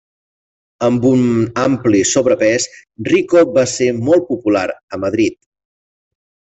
Amb un ampli sobrepès, Rico va ser molt popular a Madrid.